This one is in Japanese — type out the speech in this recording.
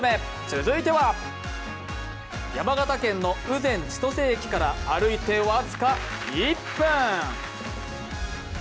続いては、山形県の羽前千歳駅から歩いて僅か１分。